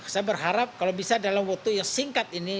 saya berharap kalau bisa dalam waktu yang setengah mungkin bisa